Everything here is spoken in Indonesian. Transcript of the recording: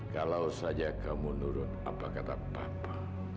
kalau saja kamu nurun apa kata papa